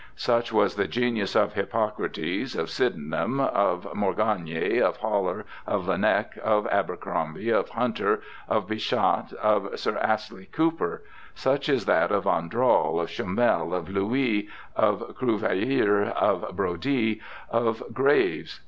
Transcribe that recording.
Such was the genius of Hippocrates, of S3'denham, of Mor gagni, of Haller, of Laennec, of Abercrombie, of Hunter, of Bichat, of Sir Astley Cooper; such is that of Andral, of Chomel, of Louis, of Cruveilhier, of Brodie, of ALFRED STILL6 241 Graves.